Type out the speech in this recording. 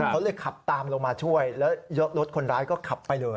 เขาเลยขับตามลงมาช่วยแล้วรถคนร้ายก็ขับไปเลย